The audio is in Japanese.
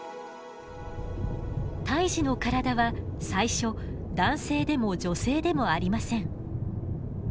胎児の体は最初男性でも女性でもありません。